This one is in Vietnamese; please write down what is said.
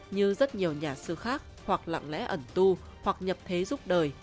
như rất nhiều nhà sư khác hoặc lặng lẽ ẩn tu hoặc nhập thế giúp đời